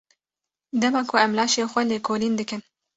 Dema ku em laşê xwe lêkolîn dikin.